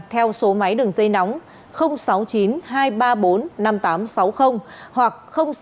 theo số máy đường dây nóng sáu mươi chín hai trăm ba mươi bốn năm nghìn tám trăm sáu mươi hoặc sáu mươi chín hai trăm ba mươi hai một nghìn sáu trăm